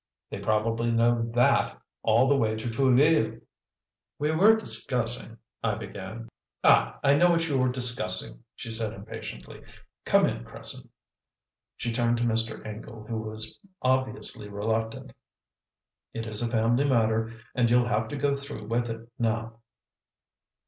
They probably know THAT all the way to Trouville!" "We were discussing " I began. "Ah, I know what you were discussing," she said impatiently. "Come in, Cresson." She turned to Mr. Ingle, who was obviously reluctant. "It is a family matter, and you'll have to go through with it now."